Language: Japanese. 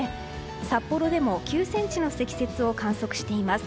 札幌でも９ｃｍの積雪を観測しています。